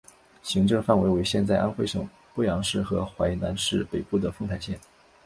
行政范围为现在安徽省阜阳市和淮南市北部的凤台县。